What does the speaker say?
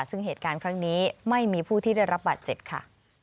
ซึ่งเหตุการณ์ครั้งนี้ไม่มีผู้ที่ได้รับบาดเจ็บค่ะ